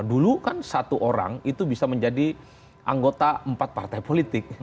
dulu kan satu orang itu bisa menjadi anggota empat partai politik